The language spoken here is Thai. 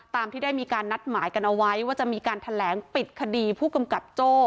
ตามที่ได้มีการนัดหมายกันเอาไว้ว่าจะมีการแถลงปิดคดีผู้กำกับโจ้